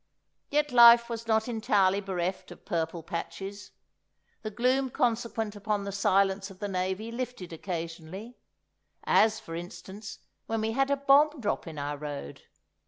Yet life was not entirely bereft of purple patches. The gloom consequent upon the Silence of the Navy lifted occasionally. As, for instance, when we had a bomb drop in our road.